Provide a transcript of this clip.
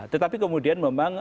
tetapi kemudian memang